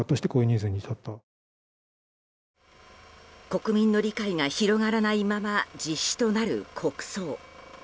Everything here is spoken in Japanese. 国民の理解が広がらないまま実施となる国葬。